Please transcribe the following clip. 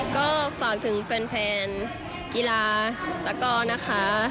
ก็ฝากถึงแฟนกีฬาตะก้อนะคะ